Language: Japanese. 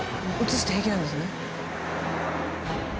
映して平気なんですよね。